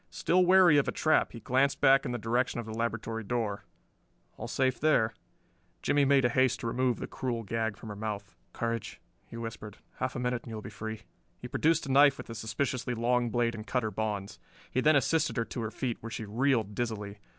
Still wary of a trap he glanced back in the direction of the laboratory door: all safe there. Jimmie made haste to remove the cruel gag from her mouth. "Courage," he whispered. "Half a minute and you will be free." He produced a knife with a suspiciously long blade and cut her bonds. He then assisted her to her feet, where she reeled dizzily.